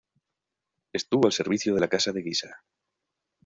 Estuvo al servicio de la casa de Guisa.